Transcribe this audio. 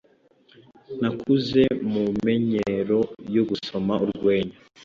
Nakuze mumenyero yo gusoma urwenya.